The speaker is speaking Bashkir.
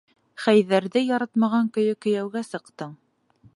Хәйҙәрҙе яратмаған көйө кейәүгә сыҡтың.